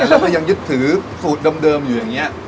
แล้วก็ยังยึดถือสูตรเดิมอยู่อย่างนี้